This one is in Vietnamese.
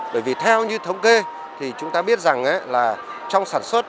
bởi vì theo như thống kê thì chúng ta biết rằng là trong sản xuất